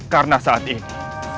karena saat ini